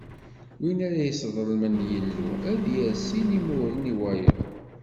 Win ara yesseḍlem Yillu, ad yerr sin n imuren i wayeḍ.